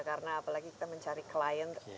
karena apalagi kita mencari klien